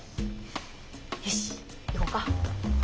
よし行こか。